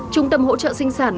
trung tâm hỗ trợ sinh sản